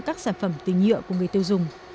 các sản phẩm từ nhựa của người tiêu dùng